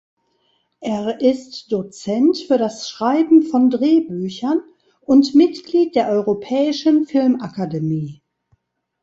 Er ist Dozent für das Schreiben von Drehbüchern und Mitglied der Europäischen Filmakademie.